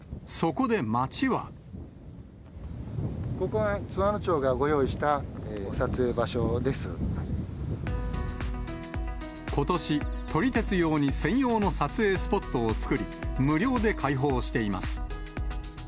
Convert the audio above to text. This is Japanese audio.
ここは津和野町がご用意したことし、撮り鉄用に専用の撮影スポットを作り、無料で開放しています。